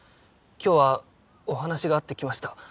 今日はお話があって来ました。